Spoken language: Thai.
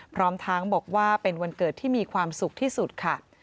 พร้อมทั้งบอกว่าเป็นวันเกิดที่มีความสุขที่สุดค่ะ